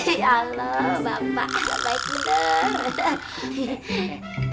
halo bapak baik baik muda